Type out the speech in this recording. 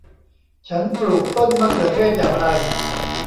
ฉันปลูกต้นมะเขือเทศอย่างไร